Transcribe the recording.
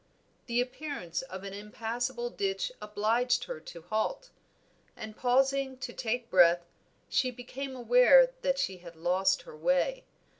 The appearance of an impassable ditch obliged her to halt, and pausing to take breath, she became aware that she had lost her way.